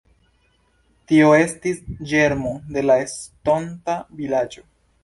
Tio estis ĝermo de la estonta vilaĝo.